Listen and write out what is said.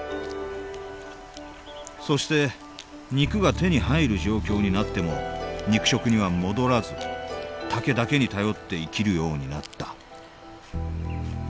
そして肉が手に入る状況になっても肉食には戻らず竹だけに頼って生きるようになった。